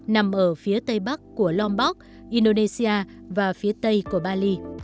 nằm ở phía tây bắc của lombok indonesia và phía tây của bali